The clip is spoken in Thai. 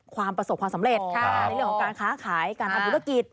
ความประสบความสำเร็จในเรื่องของการค้าขายการทำธุรกิจ